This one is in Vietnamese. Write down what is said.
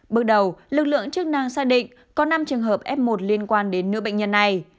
bước đầu lực lượng chức năng xác định có năm trường hợp f một liên quan đến nữ bệnh nhân này